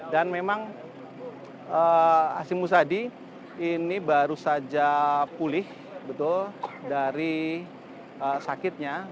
dan memang hashim musadi ini baru saja pulih dari sakitnya